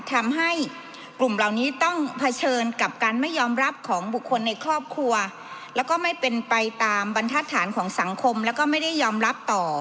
ทำให้กลุ่มเหล่านี้ต้องเผชิญกับการไม่ยอมรับของบุคคลในครอบครัวแล้วก็ไม่เป็นไปตามบรรทัศนของสังคมแล้วก็ไม่ได้ยอมรับต่อ